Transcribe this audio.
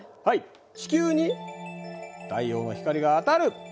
地球に太陽の光が当たる。